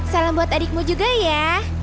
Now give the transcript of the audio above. salam buat adikmu juga ya